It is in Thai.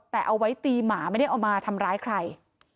แต่เอาไว้ตีหมาไม่ได้เอามาทำร้ายใคร